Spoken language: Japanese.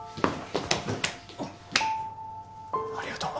ありがとう。